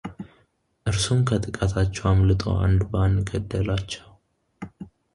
እርሱም ከጥቃታቸው አምልጦ አንድ በአንድ ገደላቸው፡፡